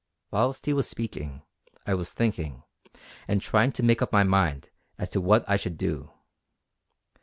Whilst he was speaking I was thinking, and trying to make up my mind as to what I should do.